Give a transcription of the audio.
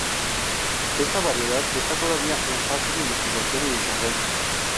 Esta variedad está todavía en fase de investigación y desarrollo.